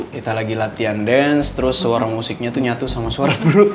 kita lagi latihan dance terus suara musiknya tuh nyatu sama suara grup